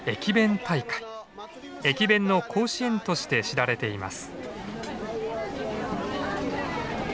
駅弁の甲子園として知られています。